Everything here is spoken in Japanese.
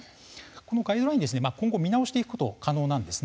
このガイドライン今後、見直していくことが可能です。